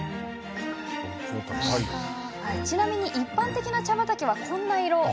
ちなみに、一般的な茶畑はこんな色。